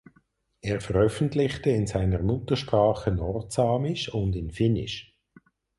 Er veröffentlichte in seiner Muttersprache Nordsamisch und in Finnisch.